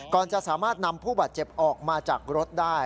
จะสามารถนำผู้บาดเจ็บออกมาจากรถได้